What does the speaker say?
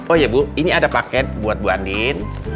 oh ya bu ini ada paket buat bu andin